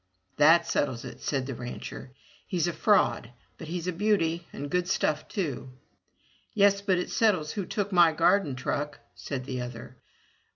"That settles it," said the rancher. He'safraud, but he's a beauty, and good stuff, too.'* "Yes, but it settles who took my garden truck,'' said the other.